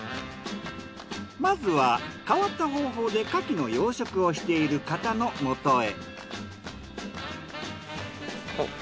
まずは変わった方法で牡蠣の養殖をしている方のもとへ。